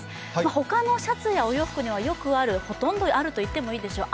他のシャツやお洋服にはほとんどあるといっていいでしょう。